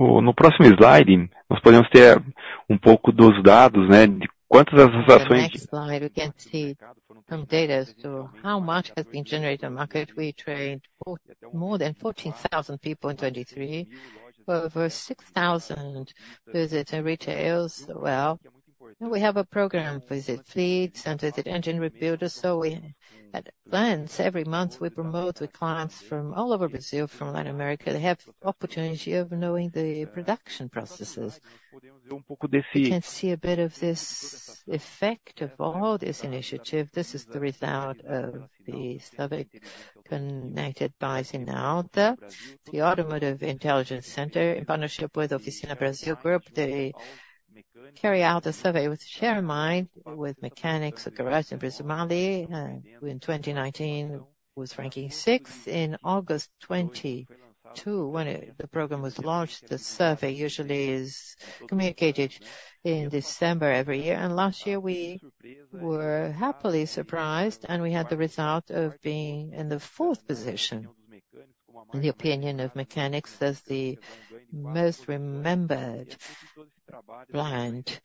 No próximo slide, nós podemos ter pouco dos dados, né, de quantas as ações. Next slide, we can see some data as to how much has been generated on the market. We trained more than 14,000 people in 2023, over 6,000 visits in retails. Well, we have a program for visit fleets and visit engine rebuilders. So we had plans every month. We promote with clients from all over Brazil, from Latin America. They have the opportunity of knowing the production processes. You can see a bit of this effect of all this initiative. This is the result of the survey conducted by Cinau, the Automotive Intelligence Center, in partnership with the Oficina Brasil Group. They carry out a survey with share of mind, with mechanics, with garage and Brazilian. In 2019, it was ranking sixth. In August 2022, when the program was launched, the survey usually is communicated in December every year. And last year, we were happily surprised, and we had the result of being in the fourth position in the opinion of mechanics as the most remembered brand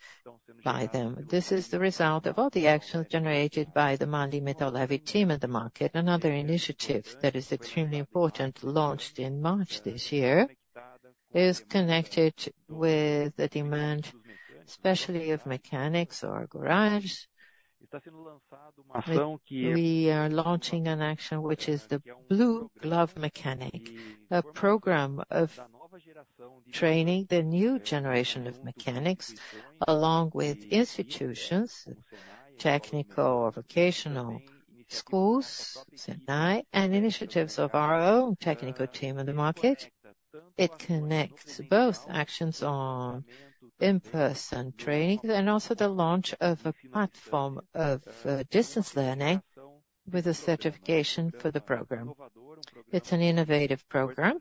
by them. This is the result of all the actions generated by the MAHLE Metal Leve's team at the market. Another initiative that is extremely important, launched in March this year, is connected with the demand, especially of mechanics or garage. We are launching an action which is the Blue Globe Mechanic, a program of training the new generation of mechanics, along with institutions, technical or vocational schools, and initiatives of our own technical team in the market. It connects both actions on in-person training and also the launch of a platform of distance learning with a certification for the program. It's an innovative program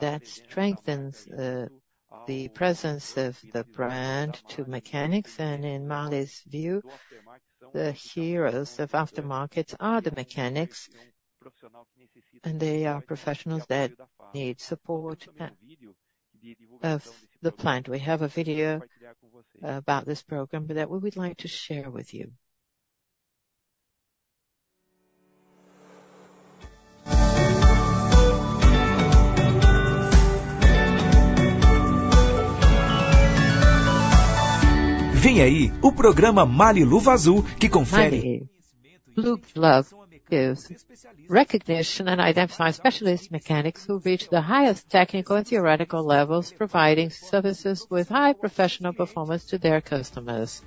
that strengthens the presence of the brand to mechanics, and in MAHLE's view, the heroes of aftermarkets are the mechanics, and they are professionals that need support and of the plant. We have a video about this program that we would like to share with you. Vem aí o programa MAHLE Luva Azul, que confere. MAHLE Blue Globe is recognition and identifies specialist mechanics who reach the highest technical and theoretical levels, providing services with high professional performance to their customers.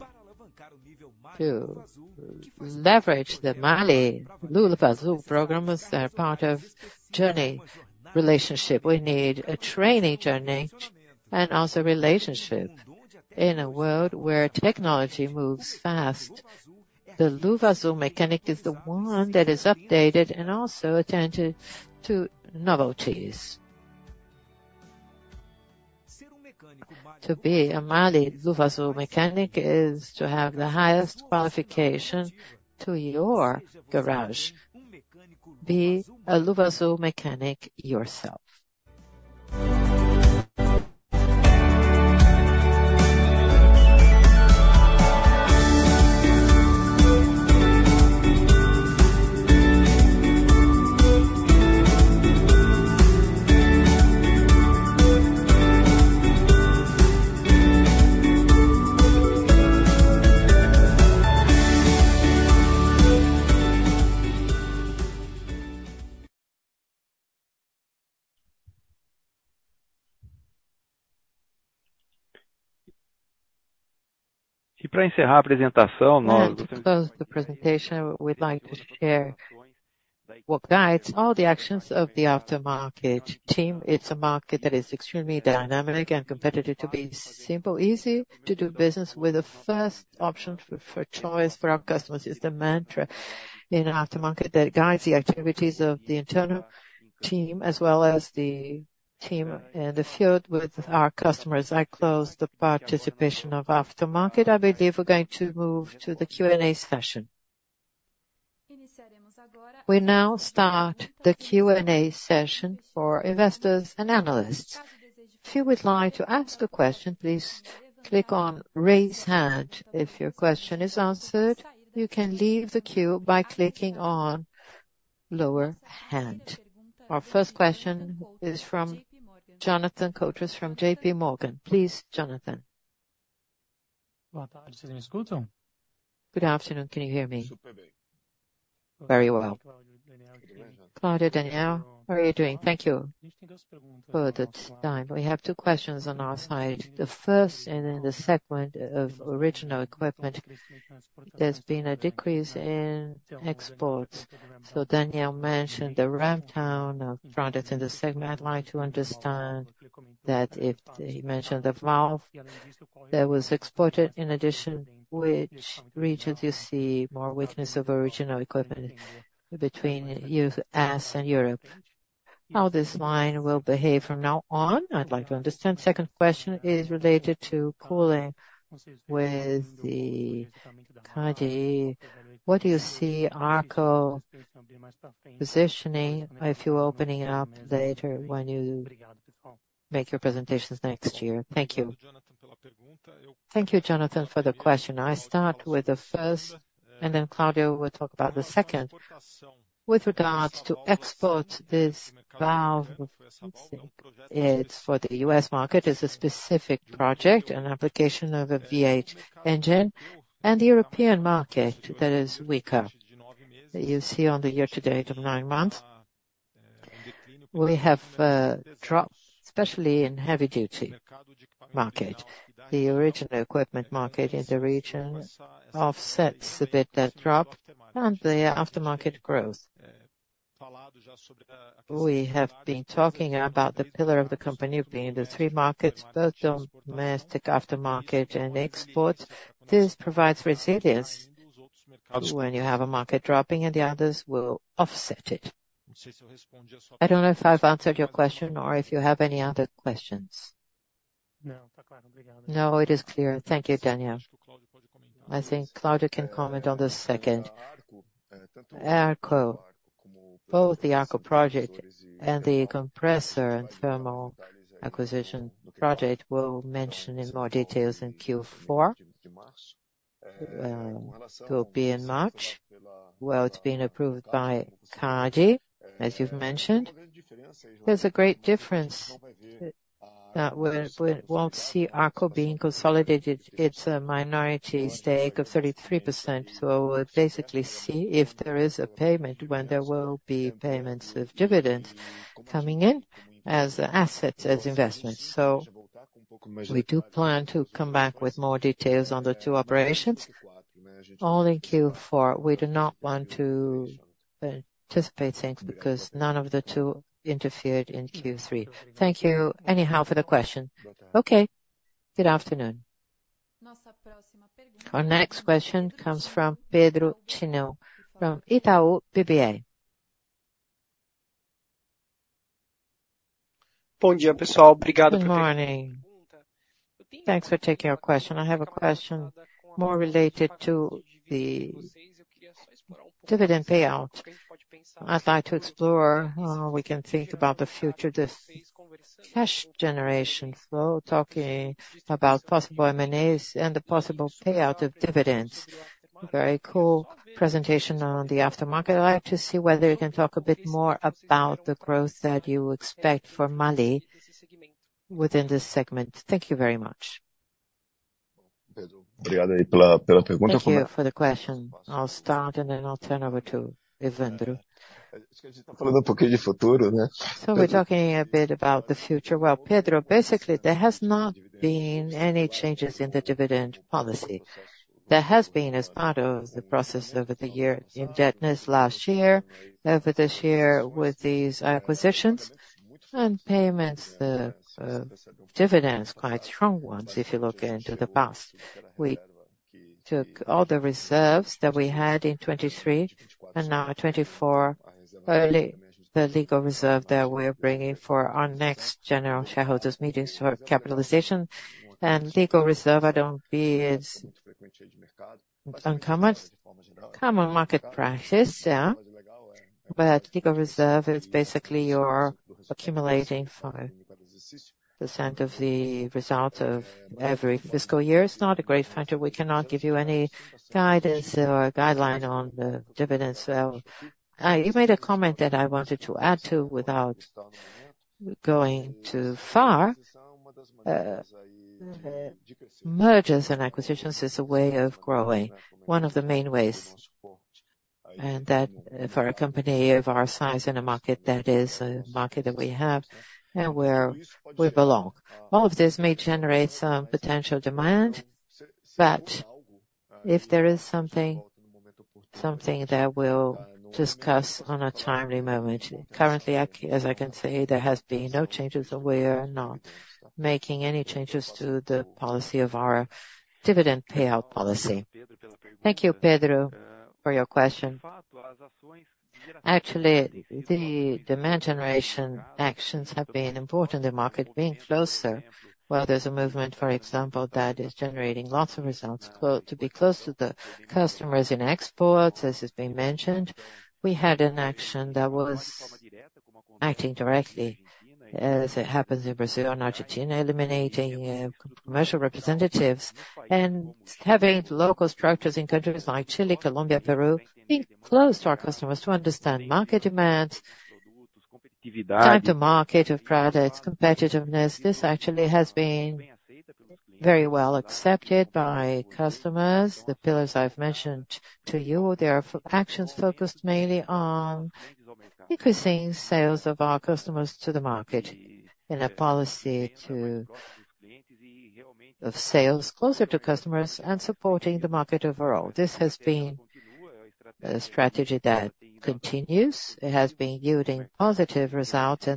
Para alavancar o nível. To leverage the MAHLE Luva Azul program as a part of the journey relationship, we need a training journey and also a relationship in a world where technology moves fast. The Luva Azul Mechanic is the one that is updated and also attentive to novelties. To be a MAHLE Luva Azul Mechanic is to have the highest qualification to your garage. Be a Luva Azul Mechanic yourself. E para encerrar a apresentação, nós of the presentation, we'd like to share what guides all the actions of the aftermarket team. It's a market that is extremely dynamic and competitive to be simple, easy to do business with. The first option for choice for our customers is the mantra in aftermarket that guides the activities of the internal team as well as the team in the field with our customers. I close the participation of aftermarket. I believe we're going to move to the Q&A session. We now start the Q&A session for investors and analysts. If you would like to ask a question, please click on raise hand. If your question is answered, you can leave the queue by clicking on lower hand. Our first question is from Jonathan Koutras from J.P. Morgan. Please, Jonathan. Good afternoon. Can you hear me? Very well. Claudio, Daniel, how are you doing? Thank you for the time. We have two questions on our side. The first and in the segment of original equipment, there's been a decrease in exports. So Daniel mentioned the ramp-down of products in the segment. I'd like to understand that if he mentioned the valve that was exported in addition, which regions you see more weakness of original equipment between the U.S. and Europe? How this line will behave from now on, I'd like to understand. Second question is related to cooling with the company. What do you see Arco positioning if you're opening up later when you make your presentations next year? Thank you. Thank you, Jonathan, for the question. I start with the first, and then Cláudio will talk about the second. With regards to export, this valve is for the U.S. market, is a specific project, an application of a V8 engine, and the European market that is weaker. You see on the year-to-date of nine months, we have a drop, especially in the heavy-duty market. The original equipment market in the region offsets a bit that drop and the aftermarket growth. We have been talking about the pillar of the company being the three markets, both domestic, aftermarket, and exports. This provides resilience when you have a market dropping and the others will offset it. I don't know if I've answered your question or if you have any other questions. No, it is clear. Thank you, Daniel. I think Cláudio can comment on the second. Arco, both the Arco project and the compressor and thermal acquisition project will mention in more details in Q4. It will be in March. It's been approved by CADE, as you've mentioned. There's a great difference that we won't see Arco being consolidated. It's a minority stake of 33%. So we'll basically see if there is a payment when there will be payments of dividends coming in as assets, as investments. So we do plan to come back with more details on the two operations. All in Q4. We do not want to anticipate things because none of the two interfered in Q3. Thank you anyhow for the question. Okay, good afternoon. Our next question comes from Pedro Tineo from Itaú BBA. Bom dia, pessoal. Obrigado por terem vindo à pergunta. Thanks for taking our question. I have a question more related to the dividend payout. I'd like to explore how we can think about the future of this cash generation flow, talking about possible M&As and the possible payout of dividends. Very cool presentation on the aftermarket. I'd like to see whether you can talk a bit more about the growth that you expect for MAHLE within this segment. Thank you very much. Obrigado pela pergunta. Thank you for the question. I'll start and then I'll turn over to Evandro. A gente está falando pouquinho de futuro, né? So we're talking a bit about the future. Well, Pedro, basically, there have not been any changes in the dividend policy. There has been, as part of the process over the year in indebtedness last year, over this year with these acquisitions and payments, the dividends, quite strong ones. If you look into the past, we took all the reserves that we had in 2023 and now in 2024, already the Legal Reserve that we are bringing for our next general shareholders' meetings for capitalization and Legal Reserve. It's not as uncommon, common market practice, yeah, but Legal Reserve is basically you're accumulating 5% of the result of every fiscal year. It's not a great factor. We cannot give you any guidance or guideline on the dividends. You made a comment that I wanted to add to without going too far. Mergers and acquisitions is a way of growing, one of the main ways, and that for a company of our size in a market that is a market that we have and where we belong. All of this may generate some potential demand, but if there is something, something that we'll discuss on a timely moment. Currently, as I can say, there have been no changes and we are not making any changes to the policy of our dividend payout policy. Thank you, Pedro, for your question. Actually, the demand generation actions have been important in the market being closer. Well, there's a movement, for example, that is generating lots of results to be close to the customers in exports, as has been mentioned. We had an action that was acting directly, as it happens in Brazil and Argentina, eliminating commercial representatives and having local structures in countries like Chile, Colombia, Peru being close to our customers to understand market demands, time to market of products, competitiveness. This actually has been very well accepted by customers. The pillars I've mentioned to you, there are actions focused mainly on increasing sales of our customers to the market in a policy of sales closer to customers and supporting the market overall. This has been a strategy that continues. It has been yielding positive results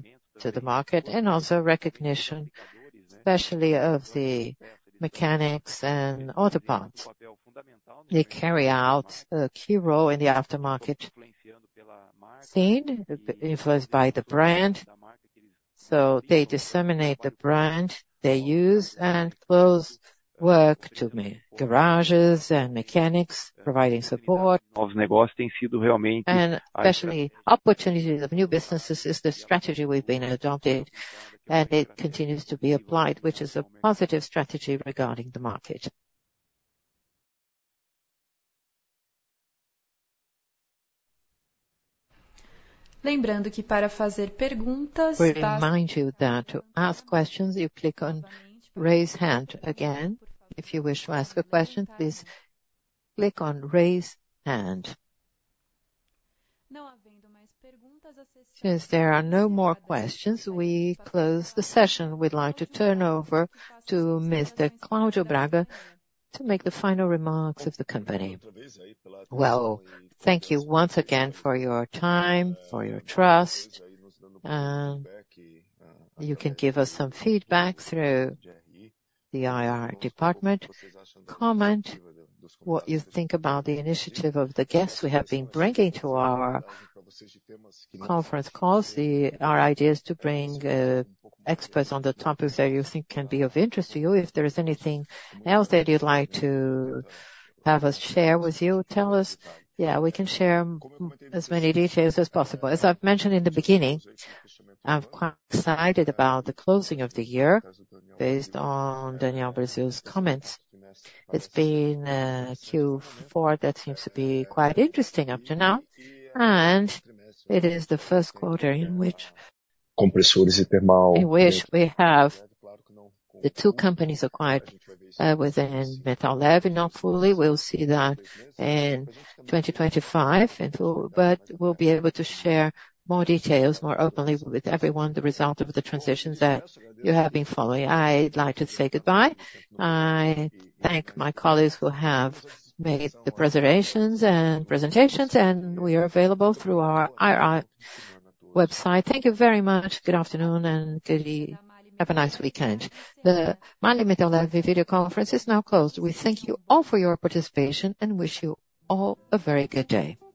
to the market and also recognition, especially of the mechanics and auto parts. They carry out a key role in the aftermarket scene, influenced by the brand. So they disseminate the brand they use and close work to garages and mechanics, providing support. Novos negócios têm sido realmente. And especially opportunities of new businesses is the strategy we've been adopting, and it continues to be applied, which is a positive strategy regarding the market. Lembrando que para fazer perguntas. We remind you that to ask questions, you click on raise hand again. If you wish to ask a question, please click on raise hand. Não havendo mais perguntas, since there are no more questions, we close the session. We'd like to turn over to Mr. Cláudio Braga to make the final remarks of the company. Well, thank you once again for your time, for your trust, and you can give us some feedback through the IR department. Comment what you think about the initiative of the guests we have been bringing to our conference calls, our ideas to bring experts on the topics that you think can be of interest to you. If there is anything else that you'd like to have us share with you, tell us. Yeah, we can share as many details as possible. As I've mentioned in the beginning, I'm quite excited about the closing of the year based on Daniel Alves's comments. It's been a Q4 that seems to be quite interesting up to now, and it is the first quarter in which Compressores e termal. In which we have the two companies acquired within Metal Leve, not fully. We'll see that in 2025, but we'll be able to share more details more openly with everyone, the result of the transitions that you have been following. I'd like to say goodbye. I thank my colleagues who have made the preparations and presentations, and we are available through our IR website. Thank you very much. Good afternoon and have a nice weekend. The MAHLE Metal Leve video conference is now closed. We thank you all for your participation and wish you all a very good day.